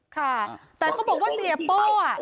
แต่ท่านเขาบอกว่าเสียโป้ย